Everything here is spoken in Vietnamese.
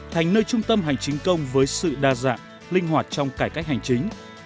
thành nơi trung tâm hành chính công với sự đa dạng linh hoạt trong cải cách hành chính